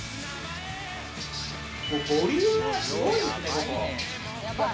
ボリュームがすごい。